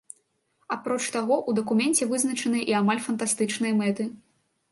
Апроч таго, у дакуменце вызначаныя і амаль фантастычныя мэты.